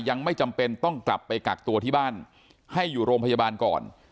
ยังไม่จำเป็นต้องกลับไปกักตัวที่บ้านให้อยู่โรงพยาบาลก่อน